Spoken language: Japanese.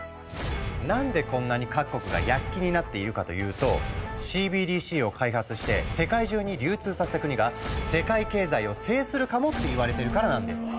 何でこんなに各国が躍起になっているかというとＣＢＤＣを開発して世界中に流通させた国が世界経済を制するかもっていわれてるからなんです。